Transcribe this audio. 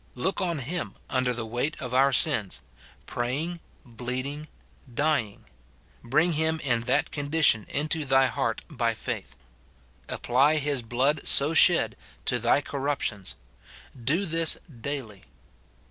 Look on him under the weight of our sins, praying, bleeding, dying ; bring him in that condition into thy heart by faith ; apply his blood so shed to thy corrup tions: do this daily.